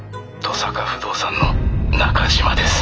登坂不動産の中島です。